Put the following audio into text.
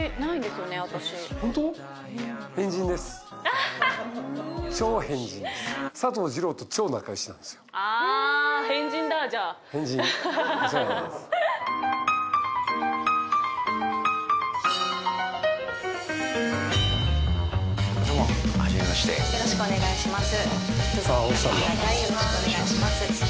よろしくお願いします。